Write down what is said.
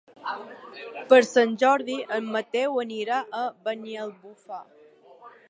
Per Sant Jordi en Mateu anirà a Banyalbufar.